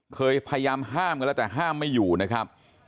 พยายามห้ามกันแล้วแต่ห้ามไม่อยู่นะครับ